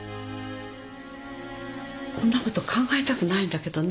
こんなこと考えたくないんだけどね